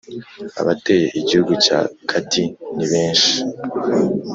abateye igihugu cya cadi nibenshi